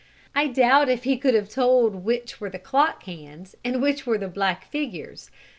I doubt if he could have told which were the clock hands and which were the black figures.